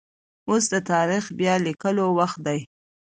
اوس د تاريخ بيا ليکلو وخت دی.